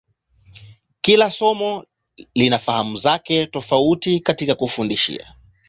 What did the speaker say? Kila somo lina fahamu zake tofauti katika kufundisha.